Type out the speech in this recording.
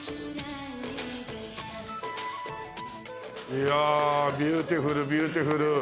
いやビューティフルビューティフル。